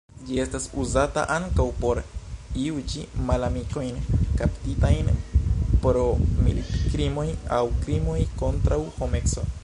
Ĝi estas uzata ankaŭ por juĝi malamikojn kaptitajn pro militkrimoj aŭ krimoj kontraŭ homeco.